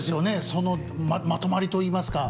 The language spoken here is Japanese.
そのまとまりといいますか。